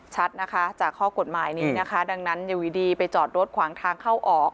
ชัดนะคะจากข้อกฎหมายนี้นะคะดังนั้นอยู่ดีไปจอดรถขวางทางเข้าออก